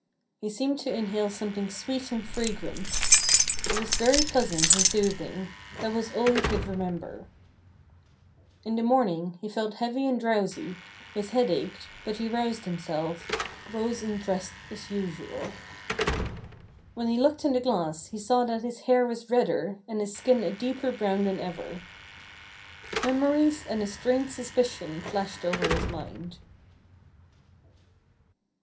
He seemed to inhale something sweet and fragrant. It was very pleasant and soothing: that was all he could remember. In the morning, he felt heavy and drowsy, his head ached, but he roused himself, rose and dressed as usual. When he looked in the glass he saw that his hair was redder, and his skin a deeper brown than ever. Memories and a strange suspicion flashed over his mind.